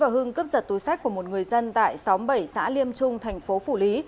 và hưng cướp giật túi sách của một người dân tại xóm bảy xã liêm trung thành phố phủ lý